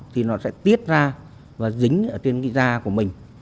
thì nó sẽ tiết ra và dính trên da của mình